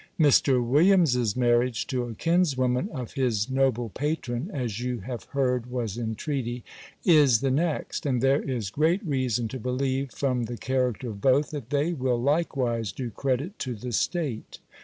Mr. Williams's marriage to a kinswoman of his noble patron (as you have heard was in treaty) is the next; and there is great reason to believe, from the character of both, that they will likewise do credit to the state.